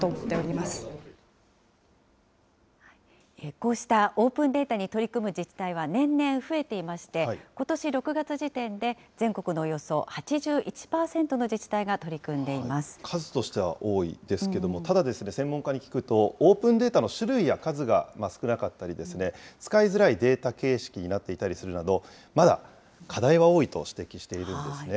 こうしたオープンデータに取り組む自治体は年々増えていまして、ことし６月時点で、全国のおよそ８１％の自治体が取り組んで数としては多いですけども、ただ、専門家に聞くと、オープンデータの種類や数が少なかったり、使いづらいデータ形式になっていたりするなど、まだ課題は多いと指摘しているんですね。